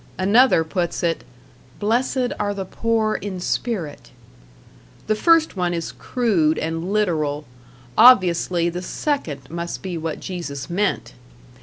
Another puts it: "Blessed are the poor in spirit." The first one is crude and literal; obviously the second must be what Jesus meant!